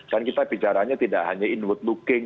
dan kita bicaranya tidak hanya inward looking